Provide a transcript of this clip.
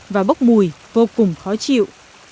và bốc mùi vô cùng khó chịu